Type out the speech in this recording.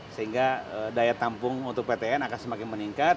sehingga daya tampung untuk ptn akan semakin meningkat